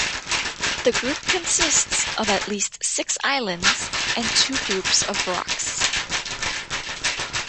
The group consists of at least six islands and two groups of rocks.